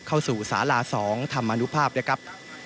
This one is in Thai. เข้าสู่สาลาสองทำละนุภาพนะครับ